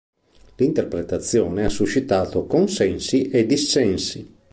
L'interpretazione ha suscitato consensi e dissensi.